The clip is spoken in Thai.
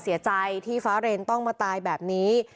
เสียใจที่ฟ้าเรนต้องมาตายแบบนี้